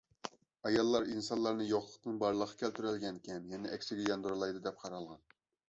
ئاياللار ئىنسانلارنى يوقلۇقتىن بارلىققا كەلتۈرگەنىكەن، يەنە ئەكسىگە ياندۇرالايدۇ دەپ قارالغان.